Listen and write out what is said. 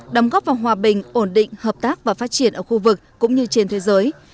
đóng góp vào hòa bình ổn định hợp tác và phát triển ở khu vực cũng như trên thế giới